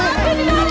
api di dalam